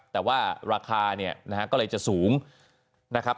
แต่ว่าราคาเนี่ยนะฮะก็เลยจะสูงนะครับ